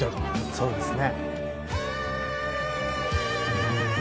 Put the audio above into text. そうですね。